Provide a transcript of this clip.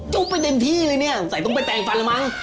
จ้องไปเต็มที่เลยนี่ใส่ต้องไปแต่งฟันเหรอมั้ง